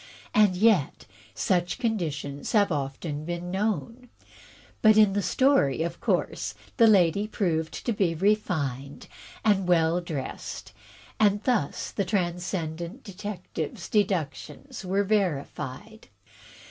And yet, such conditions have often been known. But in the story, of course the lady proved to be refined and well dressed, and thus the Transcendant Detective's deductions were verified.